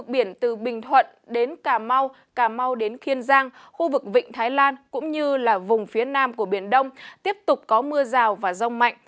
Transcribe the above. biển từ bình thuận đến cà mau cà mau đến kiên giang khu vực vịnh thái lan cũng như là vùng phía nam của biển đông tiếp tục có mưa rào và rông mạnh